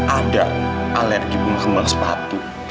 ada alergi bunga sepatu